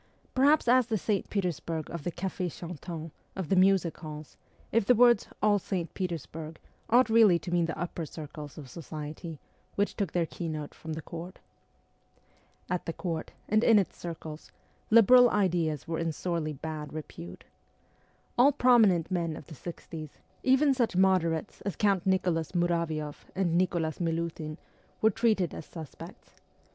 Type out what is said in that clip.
Perhaps as the St. Petersburg of the cqf&s chantants, of the music halls, if the words ' all St. Petersburg ' ought really to mean the upper circles of society, which took their keynote from the Court. At the Court, and in its circles, liberal ideas were in sorely bad repute. All prominent men of the sixties, even such moderates as Count Nicholas Muravioff and Nicholas Milutin, were treated as sus pects.